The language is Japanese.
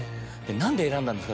何で選んだんですか？